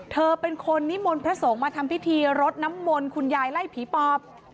เธอเป็นคนนิมนต์พระสงฆ์มาทำพิธีรดน้ำมนต์คุณยายไล่ผีปอบ